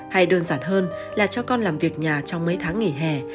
hay đơn giản hơn là cho con làm việc nhà trong mấy tháng nghỉ hè